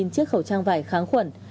một mươi chiếc khẩu trang vải kháng khuẩn